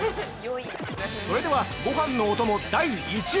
◆それでは、ごはんのお供第１位。